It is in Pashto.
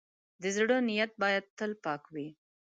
د زړۀ نیت باید تل پاک وي.